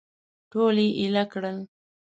ټول یې اېل کړل.